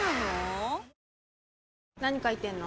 何書いてんの？